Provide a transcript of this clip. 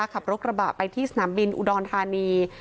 ขับรถกระบะไปที่สนามบินอุดรธานี